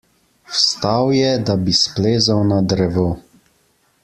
Vstal je, da bi splezal na drevo.